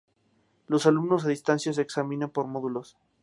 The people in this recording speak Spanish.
Los alumnos a distancia se examinan por módulos.